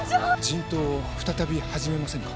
人痘を再び始めませぬか？